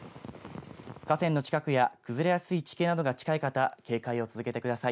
河川の近くや崩れやすい地形などが近い方警戒を続けてください。